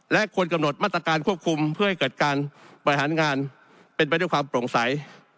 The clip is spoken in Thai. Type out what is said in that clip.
และควรกำหนดมาตรการควบคุมเพื่อให้เกิดการบริหารงานเป็นไปด้วยความโปร่งใส